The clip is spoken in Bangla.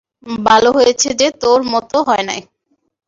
ভালো হয়েছে যে তোর মতো হয় নাই।